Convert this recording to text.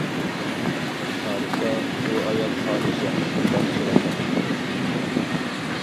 قارىسا، بۇ ئايال پادىشاھ شۇنداق چىرايلىق.